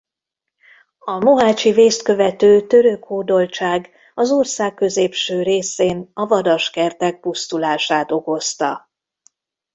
A mohácsi vészt követő török hódoltság az ország középső részén a vadaskertek pusztulását okozta.